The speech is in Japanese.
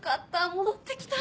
戻ってきた！